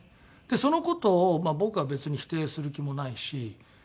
その事を僕は別に否定する気もないしあ